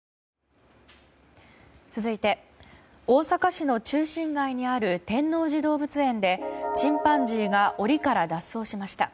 続いて、大阪市の中心街にある天王寺動物園でチンパンジーが檻から脱走しました。